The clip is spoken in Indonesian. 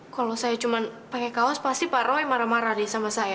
kalau saya cuma pakai kaos pasti pak roy marah marah nih sama saya